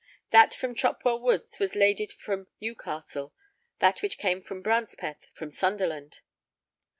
That from Chopwell Woods was laded from Newcastle; that which came from Brancepeth, from Sunderland.